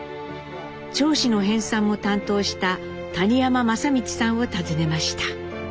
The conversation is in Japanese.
町史の編さんも担当した谷山正道さんを訪ねました。